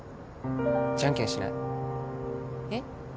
じゃんけんしない？えっ？